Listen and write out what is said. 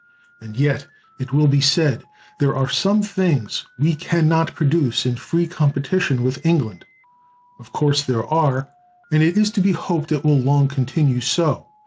And yet, it will be said, there are some things we can not produce in free competition with England. Of course there are; and it is to be hoped it will long continue so.